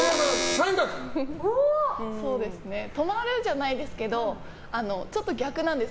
止まるじゃないですけどちょっと逆なんです。